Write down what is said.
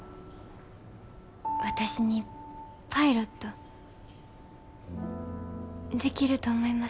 私にパイロットできると思いますか？